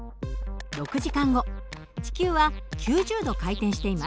６時間後地球は９０度回転しています。